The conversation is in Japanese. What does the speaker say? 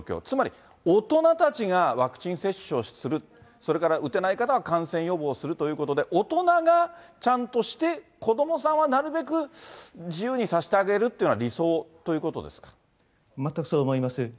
つまり、大人たちがワクチン接種をする、それから打てない方は感染予防をするということで、大人がちゃんとして、子どもさんはなるべく自由にさせてあげるということが理想という全くそう思います。